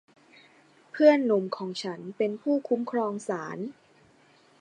เพื่อนหนุ่มของฉันเป็นผู้คุ้มครองศาล